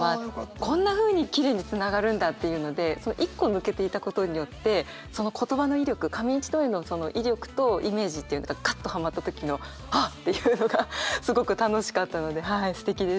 こんなふうにきれいにつながるんだっていうので一個抜けていたことによってその言葉の威力紙一重の威力とイメージっていうのがガッとハマった時のああっていうのがすごく楽しかったのですてきでした。